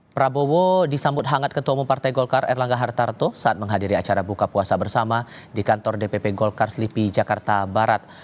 prabowo disambut hangat ketua umum partai golkar erlangga hartarto saat menghadiri acara buka puasa bersama di kantor dpp golkar slipi jakarta barat